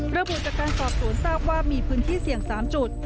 เรื่องผู้จัดการสอบศูนย์ทราบว่ามีพื้นที่เสี่ยง๓จุด